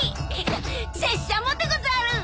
拙者もでござる！